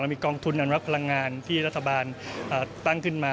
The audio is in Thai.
เรามีกองทุนรับพลังงานที่รัฐบาลตั้งขึ้นมา